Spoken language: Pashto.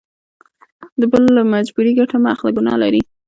د بل له مجبوري ګټه مه اخله ګنا لري.